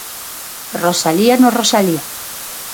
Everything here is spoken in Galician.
Rosalía no Rosalía.